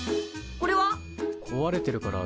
これは？